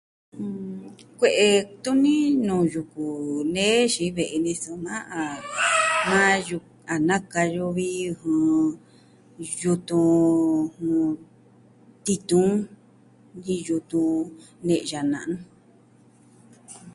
Kue'e tuni nuu yuku nee xiin ve'i ni soma, a naka yo vi, ɨɨ... yutun... tituun, jin yutun ne'ya na'nu.